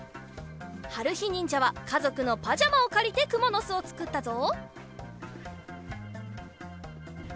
はるひにんじゃはかぞくのパジャマをかりてくものすをつくったぞ。